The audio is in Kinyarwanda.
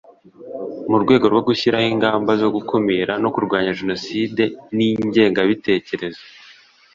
Mu rwego rwo gushyiraho ingamba zo gukumira no kurwanya Jenoside n’ ingengabitekerezo